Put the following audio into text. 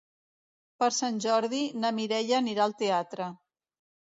Per Sant Jordi na Mireia anirà al teatre.